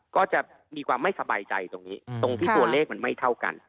ก็จะมีความไม่สบายใจตรงนี้ตรงที่ตัวเลขมันไม่เท่ากัน